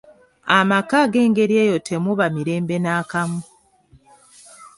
Amaka ag'engeri eyo temuba mirembe nakamu.